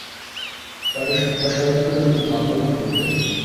প্যারাসুটটা স্বয়ংক্রিয়ভাবে খুলবে।